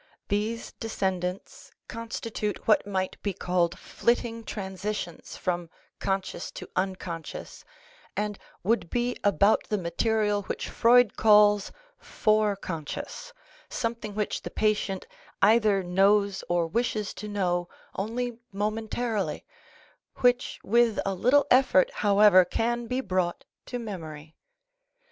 These descendants constitute what might be called flitting transitions from conscious to unconscious and would be about the material which Freud calls " fore conscious," something which the patient either knows or wishes to know only momentarily, which with a little effort, however, can be brought to memory.